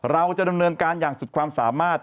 เราจะดำเนินการอย่างสุดความสามารถ